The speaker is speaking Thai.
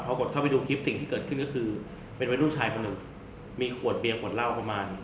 พอกดเข้าไปดูคลิปสิ่งที่เกิดขึ้นก็คือเป็นวัยรุ่นชายคนหนึ่งมีขวดเบียงขวดเหล้าประมาณ